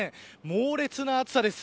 猛烈な暑さです。